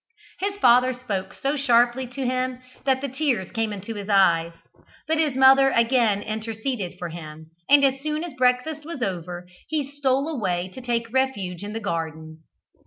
His father spoke so sharply to him that the tears came into his eyes, but his mother again interceded for him, and as soon as breakfast was over he stole away to take refuge in the garden.